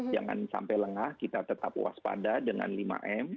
jangan sampai lengah kita tetap waspada dengan lima m